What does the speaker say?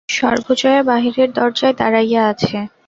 সর্বজয়া বাহিরের দরজায় দাঁড়াইয়া আছে।